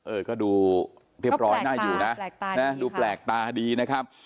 เออก็ดูเรียบร้อยน่าอยู่นะดูแปลกตาดีนะครับ